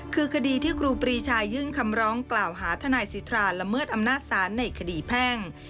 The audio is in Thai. คือคดีที่ครูปรีชายื่นคำร้องกล่าวหาทนายสิทธาละเมิดอำนาจศาลในคดีแพ่ง